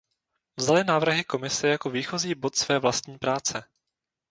Vzali návrhy Komise jako výchozí bod své vlastní práce.